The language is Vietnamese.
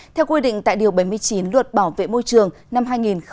theo quy định tại điều bảy mươi chín luật bảo vệ môi trường năm hai nghìn hai mươi